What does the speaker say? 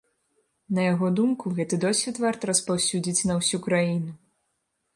На яго думку, гэты досвед варта распаўсюдзіць на ўсю краіну.